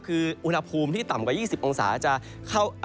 คืออุณหภูมิที่ต่ำกว่า๒๐องศาจะเข้า